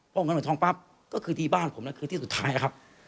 พอหมดเงินหมดทองปั๊บก็คือดีบ้านผมแล้วคือที่สุดท้ายครับ